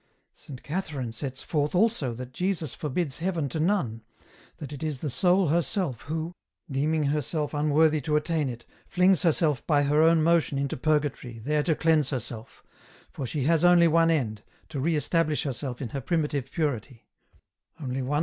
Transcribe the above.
" Saint Catherine sets forth also that Jesus forbids heaven to none, that it is the soul herself who, deeming herself unworthy to attain it, flings herself by her own motion into Purgatory there to cleanse herself, for she has only one end, to re establish herself in her primitive purity, only one 136 EN ROUTE.